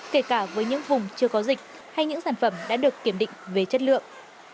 kể cả với những vùng chưa có dịch hay những sản phẩm đã được kiểm định về chất lượng